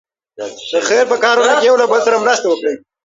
د خیر په کارونو کې یو له بل سره مرسته وکړئ.